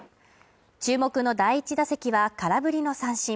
注目の第１打席は空振りの三振。